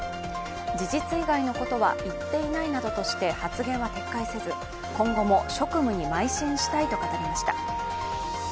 事実以外のことは言っていないなどとして発言は撤回せず今後も職務にまい進したいと語りました。